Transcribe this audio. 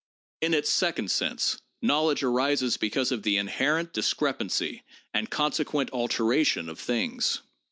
In its second sense, knowledge arises because of the inherent discrepancy and consequent alteration of things.